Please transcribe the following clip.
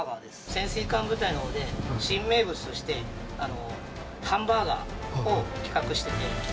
潜水艦部隊のほうで、新名物として、ハンバーガーを企画しています。